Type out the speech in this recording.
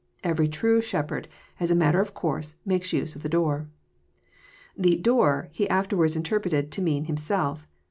Every tnie shep herd, as a matter of course, makes use of the door. The '< door " He afterwards interprets to mean Himself.